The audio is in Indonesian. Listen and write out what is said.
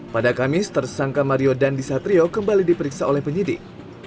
pada kamis tersangka mario dandisatrio kembali diperiksa oleh penyidik